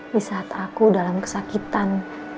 di saat aku dalam kesakitan